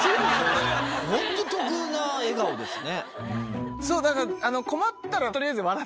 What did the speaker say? ホント得な笑顔ですね。